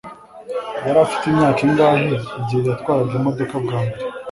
Yari afite imyaka ingahe igihe yatwaraga imodoka bwa mbere